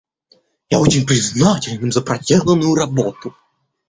Я очень признателен им за проделанную работу.